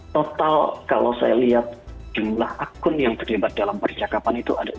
total kalau saya lihat jumlah akun yang berdebat dalam percakapan itu ada enam puluh